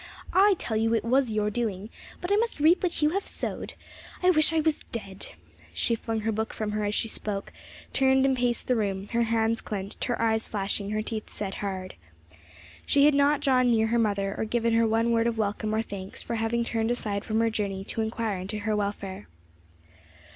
I tell you it was your doing; but I must reap what you have sowed. I wish I was dead!" She flung her book from her as she spoke, turned and paced the room, her hands clenched, her eyes flashing, her teeth set hard. She had not drawn near her mother, or given her one word of welcome or thanks for having turned aside from her journey to inquire into her welfare.